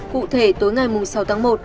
cụ thể tối ngày sáu tháng một